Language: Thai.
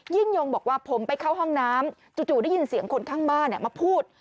ยิ่งยงบอกว่าผมไปเข้าห้องน้ำจู่ได้ยินเสียงคนข้างบ้านมาพูด